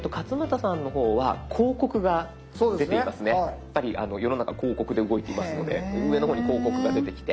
やっぱり世の中広告で動いていますので上の方に広告が出てきて。